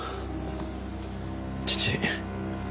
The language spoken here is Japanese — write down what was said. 父？